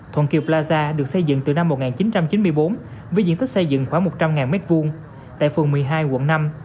thuận kiệp plaza được xây dựng từ năm một nghìn chín trăm chín mươi bốn với diện tích xây dựng khoảng một trăm linh m hai tại phường một mươi hai quận năm